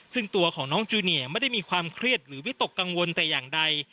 ซึ่งตัวของน้องจูเนียไม่ได้มีความเครียดหรือวิตกกังวลแต่อย่างใด